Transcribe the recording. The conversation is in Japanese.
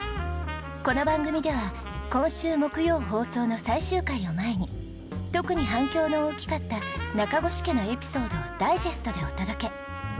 この番組では今週木曜放送の最終回を前に特に反響の大きかった中越家のエピソードをダイジェストでお届け。